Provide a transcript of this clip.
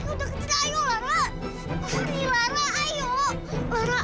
tunggu kita pergi dulu ayo larang